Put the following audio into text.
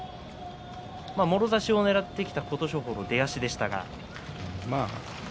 もろ差しをねらってきた琴勝峰の出足でしたが。